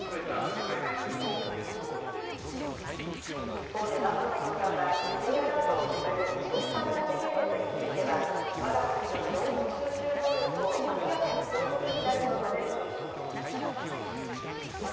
一方で松野長官は、Ｊアラートをめぐる詳細な時系列については、我が国の情報収集能力を明らかにすることになると述べるにとどめました。